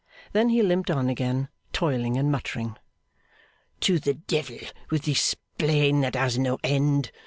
Then he limped on again, toiling and muttering. 'To the devil with this plain that has no end!